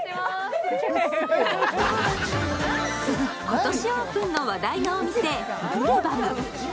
今年オープンの話題のお店、ブルバム。